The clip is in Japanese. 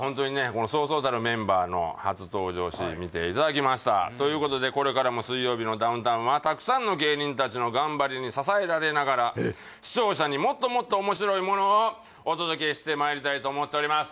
このそうそうたるメンバーの初登場シーン見ていただきましたということでこれからも「水曜日のダウンタウン」はたくさんの芸人達の頑張りに支えられながら視聴者にもっともっと面白いものをお届けしてまいりたいと思っております